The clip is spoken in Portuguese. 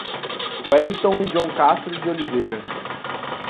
Wellington John Castro Deoliveira